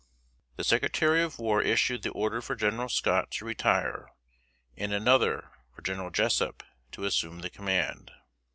The Secretary of War issued the order for General Scott to retire, and another for General Jessup to assume the command.